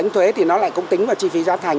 đánh thuế thì nó lại cũng tính vào chi phí gia thành